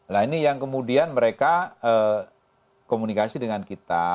nah ini yang kemudian mereka komunikasi dengan kita